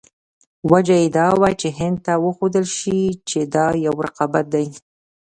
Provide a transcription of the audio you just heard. وجه یې دا وه چې هند ته وښودل شي چې دا یو رقابت دی.